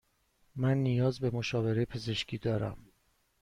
من نیاز به مشاوره پزشکی دارم.